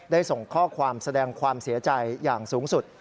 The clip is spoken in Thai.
ส่งข้อความแสดงความเสียใจอย่างสูงสุด